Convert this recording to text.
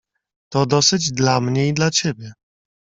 "To dosyć dla mnie i dla ciebie."